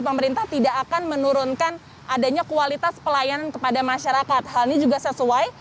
pemerintah tidak akan menurunkan adanya kualitas pelayanan kepada masyarakat hal ini juga sesuai